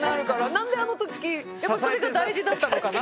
何であの時やっぱりそれが大事だったのかな？